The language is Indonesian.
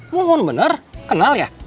mohon bener kenal ya